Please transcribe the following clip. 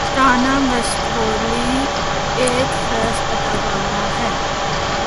دانا وسپولی ایک فحش اداکارہ ہے